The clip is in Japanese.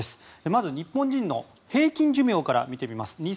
まず日本人の平均寿命から見ていきましょう。